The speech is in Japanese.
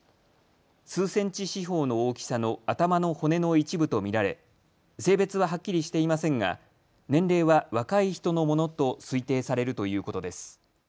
数センチ四方の大きさの頭の骨の一部と見られ、性別ははっきりしていませんが年齢は若い人のものと推定されるということです。